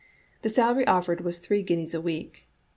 The salary offered was three guineas a week.